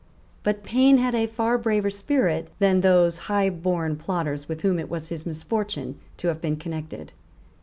But Payne had a far braver spirit than those highborn plotters with whom it was his misfortune to have been connected.